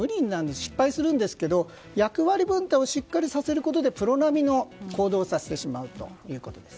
失敗するんですけど役割分担をしっかりさせることでプロ並みの行動をさせてしまうということです。